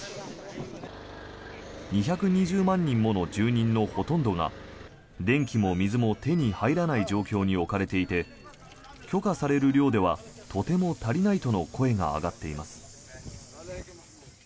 ２２０万人もの住人のほとんどが電気も水も手に入らない状況に置かれていて許可される量ではとても足りないとの声が上がっています。